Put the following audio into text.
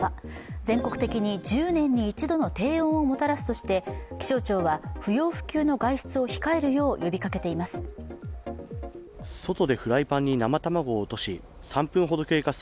全国的に１０年に一度の低温をもたらすとして気象庁は不要不急の外出を控えるよう呼びかけています。